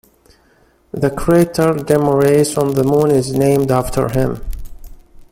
The crater De Moraes on the Moon is named after him.